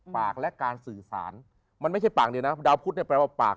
ปากและการสื่อสารมันไม่ใช่ปากเดียวนะดาวพุทธเนี่ยแปลว่าปาก